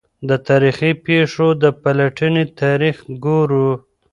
د تا ریخي پېښو د پلټني تاریخ ګورو.